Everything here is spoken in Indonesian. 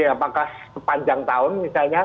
apakah sepanjang tahun misalnya